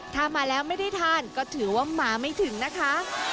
ถ้ามาแล้วไม่ได้ทานก็ถือว่ามาไม่ถึงนะคะ